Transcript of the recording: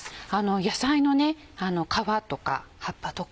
野菜の皮とか葉っぱとか